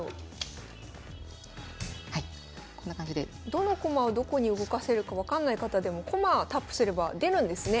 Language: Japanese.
どの駒をどこに動かせるか分かんない方でも駒タップすれば出るんですね